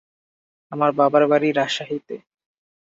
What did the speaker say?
আমার বাবার বাড়ি রাজশাহীতে।